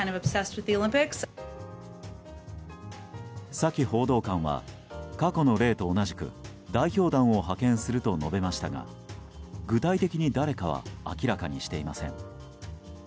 サキ報道官は過去の例と同じく代表団を派遣すると述べましたが具体的に誰かは明らかにしていません。